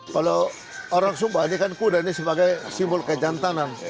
kalau orang sumba ini kan kuda ini sebagai simbol kejantanan